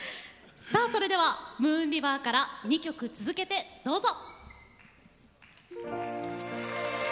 さあそれでは「ムーン・リバー」から２曲続けてどうぞ。